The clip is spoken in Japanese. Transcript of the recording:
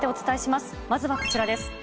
まずはこちらです。